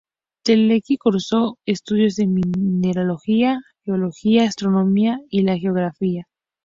Teleki cursó estudios de mineralogía, geología, astronomía y la geografía.